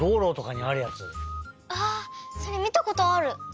それみたことある。